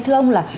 thưa ông là